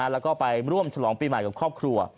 แล้วก็ไปร่วมฉลองปีใหม่กับครอบครัว